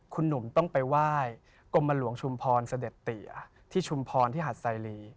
คุณหนุ่มต้องไปไหว้กรมหลวงชุมพรเสด็จเตียที่ชุมพรที่หัดไซรี